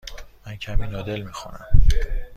من کمی نودل می خورم.